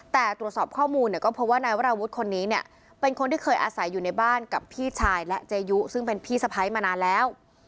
แต่ตรวจสอบข้อมูลเนี่ยก็พบว่านายวราวุฒิคนนี้เนี่ยเป็นคนที่เคยอาศัยอยู่ในบ้านกับพี่ชายและเจยุซึ่งเป็นพี่สะพ้ายมานานแล้ว